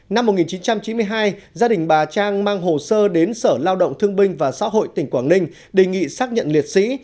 năm một nghìn chín trăm chín mươi hai gia đình bà trang mang hồ sơ đến sở lao động thương binh và xã hội tỉnh quảng ninh đề nghị xác nhận liệt sĩ